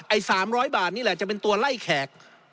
๓๐๐บาทนี่แหละจะเป็นตัวไล่แขก